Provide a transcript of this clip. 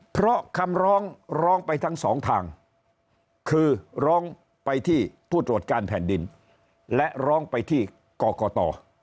เพราะคำร้องร้องไปทั้งสองทางคือร้องไปที่ผู้ตรวจการแผ่นดินและร้องไปที่กรกต